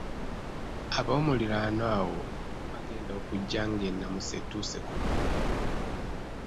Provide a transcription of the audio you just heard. Aboomuliraano awo baagenda okujja ng’ennamusa etuuse ku nnyooge.